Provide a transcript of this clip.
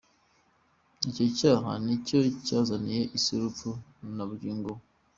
Icyo cyaha ni cyo cyazaniye isi urupfu na bugingo n’ubu.